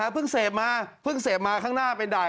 เพิ่งเสพมาเพิ่งเสพมาข้างหน้าเป็นด่าย